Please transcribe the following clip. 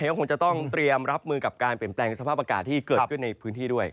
ก็คงจะต้องเตรียมรับมือกับการเปลี่ยนแปลงสภาพอากาศที่เกิดขึ้นในพื้นที่ด้วย